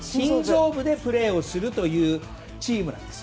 プレーをするというチームなんです。